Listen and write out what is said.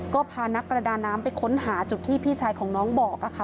ก็พานักประดาน้ำไปค้นหาจุดที่พี่ชายของน้องบอก